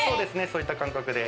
そういった感覚で。